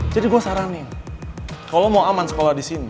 jadi gue saranin kalau lo mau aman sekolah di sini